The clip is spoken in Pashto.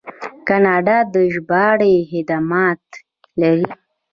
کاناډا د ژباړې خدمات لري.